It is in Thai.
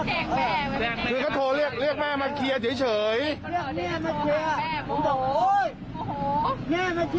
แม่มาเคลียร์รู้เรื่องเหรอแม่มาเคลียร์ผม